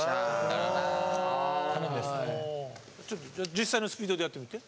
実際のスピードでやってみて。